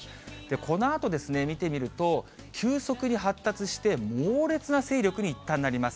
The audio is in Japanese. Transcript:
このあと見てみると、急速に発達して、猛烈な勢力にいったんなります。